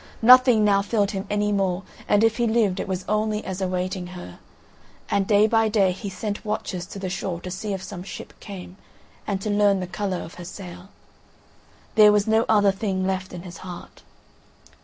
Nothing now filled him any more, and if he lived it was only as awaiting her; and day by day he sent watchers to the shore to see if some ship came, and to learn the colour of her sail. There was no other thing left in his heart.